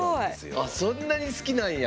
あそんなに好きなんや。